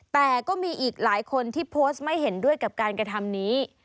แต่ก็มีอีกหลายคนที่โพสต์ไม่เห็นด้วยกับการกระทำนี้